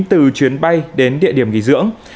từ chuyến bay đến địa điểm nghỉ dưỡng